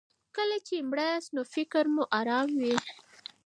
کله چې مړه یاست نو فکر مو ارام وي.